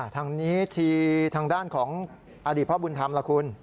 ทางนี้ทีทางด้านของอดีตพ่อบุญธรรมล่ะคุณ